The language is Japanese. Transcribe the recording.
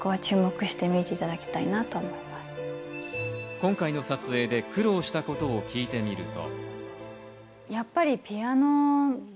今回の撮影で苦労したことを聞いてみると。